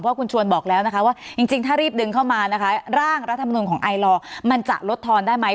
คุณชวนบอกแล้วนะคะว่าจริงถ้ารีบดึงเข้ามานะคะร่างรัฐมนุนของไอลอร์มันจะลดทอนได้ไหม